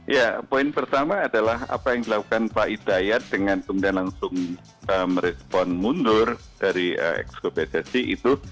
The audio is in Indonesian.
ya poin pertama adalah apa yang dilakukan pak hidayat dengan kemudian langsung merespon mundur dari exco pssi itu